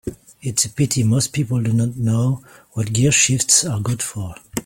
It's a pity most people do not know what gearshifts are good for.